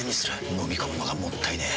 のみ込むのがもったいねえ。